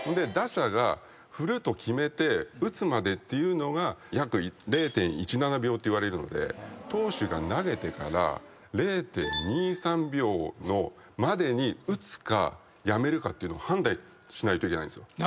打者が振ると決めて打つまでっていうのが約０．１７秒っていわれるので投手が投げてから０．２３秒までに打つかやめるかっていうのを判断しないといけないんですよ。